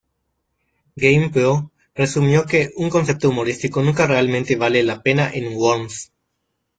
GamePro resumió que "un concepto humorístico nunca realmente vale la pena en "Worms".